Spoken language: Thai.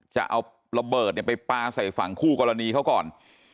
จะเอาระเบิดไปปลาใส่ฝั่งคู่กรณีเขาก่อน